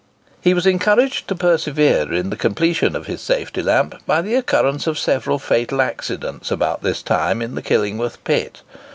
He was encouraged to persevere in the completion of his safety lamp by the occurrence of several fatal accidents about this time in the Killingworth pit.